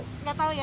nggak tahu ya